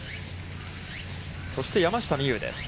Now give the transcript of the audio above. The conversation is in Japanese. そして山下美夢有です。